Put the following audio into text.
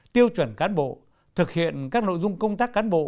tiêu chuẩn cán bộ thực hiện các nội dung công tác cán bộ